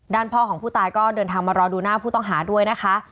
พ่อของผู้ตายก็เดินทางมารอดูหน้าผู้ต้องหาด้วยนะคะ